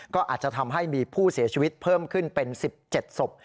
ก็อาจจะทำให้มีผู้เสียชีวิตเพิ่มขึ้นเป็น๑๗ศพ